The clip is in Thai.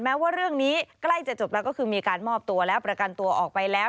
แม้ว่าเรื่องนี้ใกล้จะจบแล้วก็คือมีการมอบตัวแล้วประกันตัวออกไปแล้ว